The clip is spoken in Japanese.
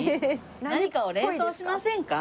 何かを連想しませんか？